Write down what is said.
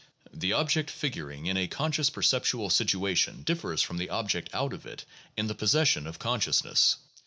The object figuring in a conscious perceptual situation differs from the object out of it in the possession of consciousness.